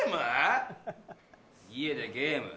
家でゲーム。